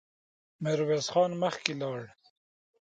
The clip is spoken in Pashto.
ميرويس خان مخکې لاړ.